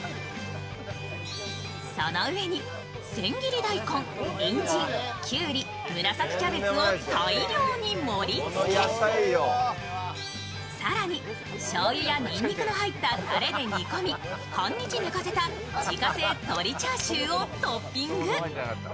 その上に、千切り大根、にんじんきゅうり紫キャベツを大量に盛りつけ、更にしょうゆやにんにくの入ったたれで煮込み半日寝かせた自家製鶏チャーシューをトッピング。